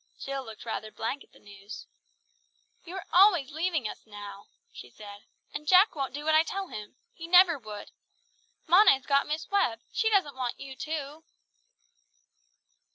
Jill looked rather blank at the news. "You are always leaving us now," she said; "and Jack won't do what I tell him. He never would. Mona has got Miss Webb, she doesn't want you too!"